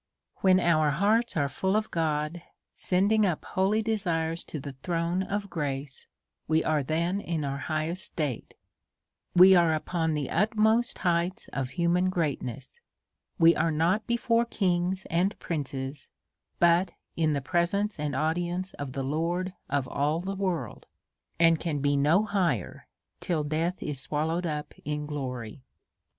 When our hearts are full of God, sending up holy \ desires to the throne of grace, we are then in our highest state ; we are upon the utmost heights of hu man greatness ; we are not before kings and princes, but in the presence and audience of the Lord of all the world, and can be no higher, till death is swallow ed up in glory.